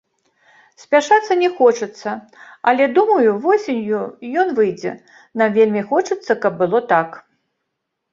Спяшацца не хочацца, але, думаю, восенню ён выйдзе, нам вельмі хочацца, каб было так.